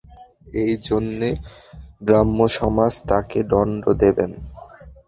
সেইজন্যে ব্রাহ্মসমাজ তাঁকে দণ্ড দেবেন।